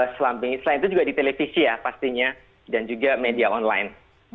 selain itu juga di televisi ya pastinya dan juga media online